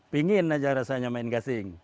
pingin aja rasanya main gasing